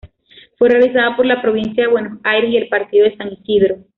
Fue realizada por la Provincia de Buenos Aires y el Partido de San Isidro.